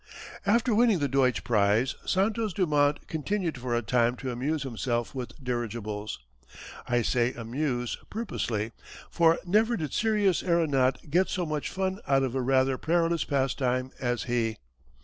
After winning the Deutsch prize, Santos Dumont continued for a time to amuse himself with dirigibles. I say "amuse" purposely, for never did serious aeronaut get so much fun out of a rather perilous pastime as he.